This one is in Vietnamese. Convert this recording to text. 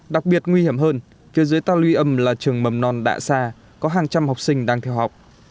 đặc biệt nguy hiểm hơn phía dưới ta lưu âm là trường mầm non đạ sa có hàng trăm học sinh đang theo học